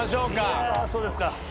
いやそうですか。